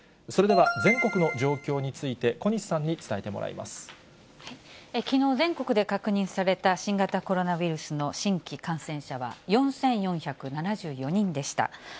それでは全国の状況について、きのう全国で確認された、新型コロナウイルスの新規感染者は４４７４人でした。